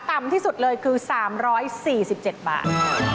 ต่ำที่สุดเลยคือ๓๔๗บาท